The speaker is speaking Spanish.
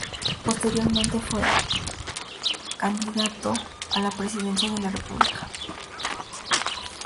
Posteriormente fue candidato a la Presidencia de la República.